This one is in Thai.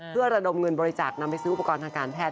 เพื่อระดมเงินบริจาคนำไปซื้ออุปกรณ์ทางการแพท